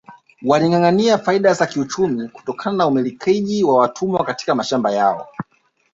Walingâangâania faida za kiuchumi kutokana na umilikaji wa watumwa katika mashamba yao